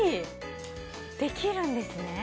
できるんですね。